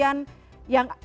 yang terjadi di kalidara